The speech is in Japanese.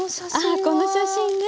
あっこの写真ね